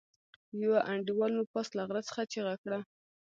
يوه انډيوال مو پاس له غره څخه چيغه کړه.